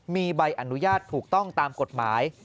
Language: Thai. มีใบอนุญาตถูกต้องตามกฎหมาย